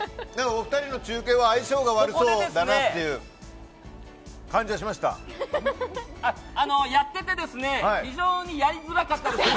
お二人の中継は相性が悪そうだなっていうやってて非常にやりづらかったです。